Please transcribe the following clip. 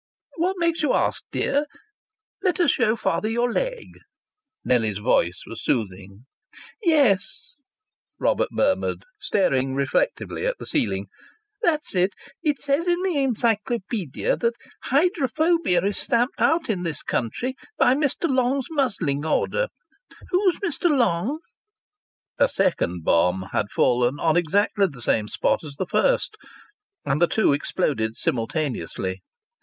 "What makes you ask, dear? Let us show father your leg." Nellie's voice was soothing. "Yes," Robert murmured, staring reflectively at the ceiling. "That's it. It says in the Encyclopaedia that hydrophobia is stamped out in this country by Mr.. Long's muzzling order. Who is Mr.. Long?" A second bomb had fallen on exactly the same spot as the first, and the two exploded simultaneously.